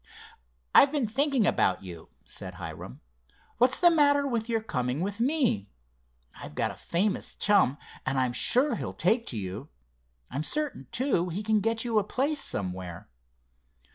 "I've been thinking about you," said Hiram. "What's the matter with your coming with me? I've got a famous chum, and I'm sure he'll take to you. I'm certain, too, he can get you a place somewhere."